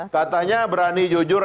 katanya berani jujur